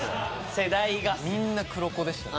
世代がみんな黒子でしたね